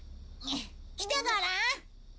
来てごらん。